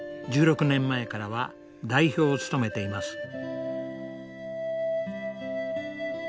１６年前からは代表を務めています。